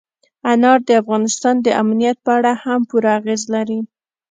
انار د افغانستان د امنیت په اړه هم پوره اغېز لري.